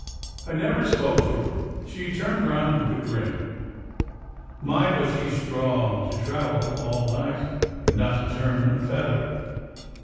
I never spoke to her — She turned round with a grin. My ! but she's strong to travel all night, and not to turn a feather.